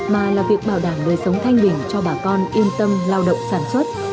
mà là việc bảo đảm đời sống thanh bình cho bà con yên tâm lao động sản xuất